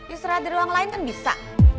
istirahat di ruang lain kan bisa